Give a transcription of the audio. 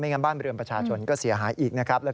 งั้นบ้านเรือนประชาชนก็เสียหายอีกนะครับ